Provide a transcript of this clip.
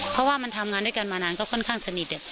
เพราะว่ามันทำงานด้วยกันมานานก็ค่อนข้างสนิท